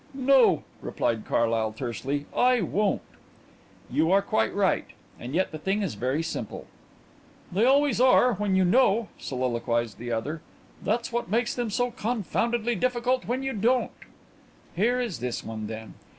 "No," replied Carlyle tersely; "I won't." "You are quite right. And yet the thing is very simple." "They always are when you know," soliloquized the other. "That's what makes them so confoundedly difficult when you don't." "Here is this one then.